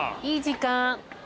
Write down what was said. いい時間。